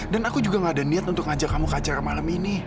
dan aku juga nggak ada niat untuk ngajak kamu ke acara malam ini